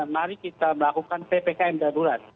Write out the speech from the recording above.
mari kita melakukan ppkm darurat